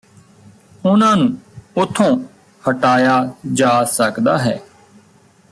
ਉਨ੍ਹਾਂ ਨੂੰ ਉੱਥੋਂ ਹਟਾਇਆ ਜਾ ਸਕਦਾ ਹੈ